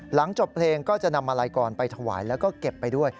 หลังจบเพลงก็จะนำมาลัยกรไปถวายแล้วก็เก็บไปด้วย